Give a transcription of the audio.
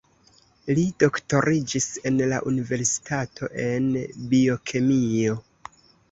Li doktoriĝis en la universitato el biokemio.